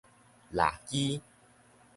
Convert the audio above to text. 抐枝